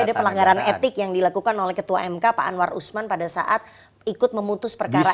jadi ada pelanggaran etik yang dilakukan oleh ketua mk pak anwar usman pada saat ikut memutus perkara ini